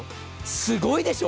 すごいでしょ。